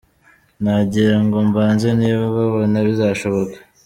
Nagira ngo mbaze niba babona bizashoboka.